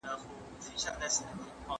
زما له لاسه په عذاب ټول انسانان دي